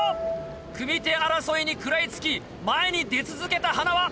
組手争いに食らいつき前に出続けた塙。